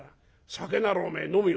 酒ならおめえ飲むよ。